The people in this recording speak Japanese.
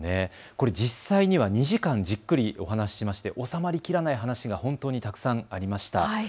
実際には２時間、じっくりお話しましておさまりきらない話が本当にたくさんありました。